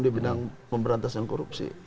di bidang pemberantasan korupsi